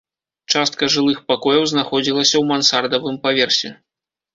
Частка жылых пакояў знаходзілася ў мансардавым паверсе.